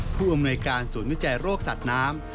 ผู้อำนวยการศูนย์วิจัยโรคสัตว์น้ำ